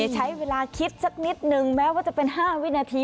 ใช้เวลาคิดสักนิดนึงแม้ว่าจะเป็น๕วินาที